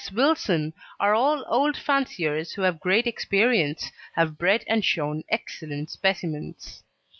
Wilson, are all old fanciers who have great experience, have bred and shown excellent specimens.